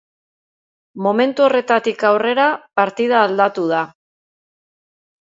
Momentu horretatik aurrera partida aldatu da.